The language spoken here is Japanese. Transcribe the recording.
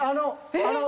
あの。